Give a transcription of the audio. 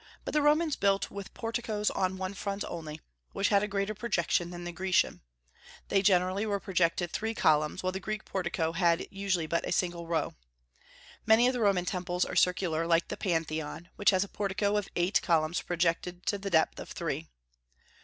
But the Romans built with porticos on one front only, which had a greater projection than the Grecian. They generally were projected three columns, while the Greek portico had usually but a single row. Many of the Roman temples are circular, like the Pantheon, which has a portico of eight columns projected to the depth of three.